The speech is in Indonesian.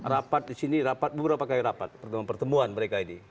rapat di sini rapat beberapa kali rapat pertemuan pertemuan mereka ini